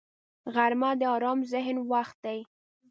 غرمه د آرام ذهن وخت دی